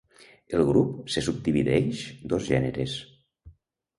El grup se subdivideix dos gèneres.